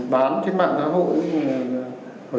bán trên mạng xã hội